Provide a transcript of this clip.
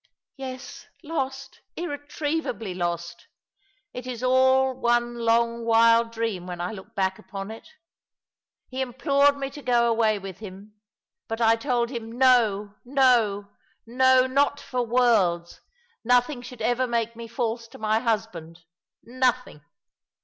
"Yes, lost, irretrievably lost I It is all one long, wild dream when I look back upon it. He implored me to go away with him — but I told him no, no, no, not for worlds, nothing should ever make me false to my husband — nothing.